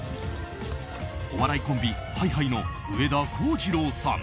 お笑いコンビＨｉ‐Ｈｉの上田浩二郎さん。